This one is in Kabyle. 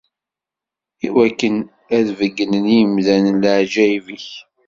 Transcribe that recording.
Iwakken ad d-beyynen i yimdanen leɛǧayeb-ik.